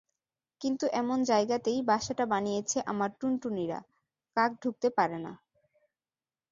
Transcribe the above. কিন্তু এমন জায়গাতেই বাসাটা বানিয়েছে আমার টুনটুনিরা, কাক ঢুকতে পারে না।